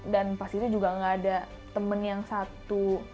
dan pas itu juga gak ada temen yang satu